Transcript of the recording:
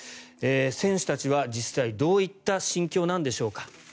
選手たちは実際どういった心境なんでしょうか。